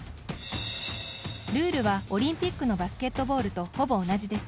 ルールは、オリンピックのバスケットボールとほぼ同じです。